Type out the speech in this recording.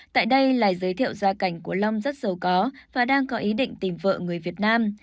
tại đây lai giới thiệu ra cảnh của lông rất giàu có và đang có ý định tìm vợ người việt nam